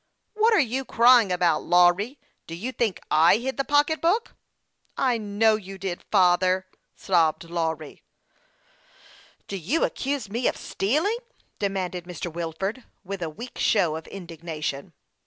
"What are you crying about, Lawry ? Do you think I hid the pocketbook ?"" I know you did, father," sobbed Lawry. " Do you accuse me of stealing ?" demanded ]\ir. Wilford, Avith a weak show of indignation.